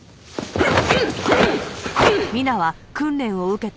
うっ。